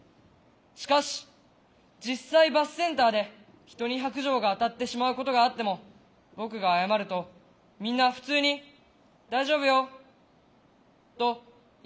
しかし実際バスセンターで人に白じょうが当たってしまうことがあっても僕が謝るとみんな普通に「大丈夫よ」と言ってくれる。